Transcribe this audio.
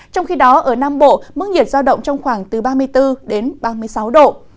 trong khi đó ở nam bộ mức nhiệt giao động trong khoảng từ ba mươi bốn đến ba mươi sáu độ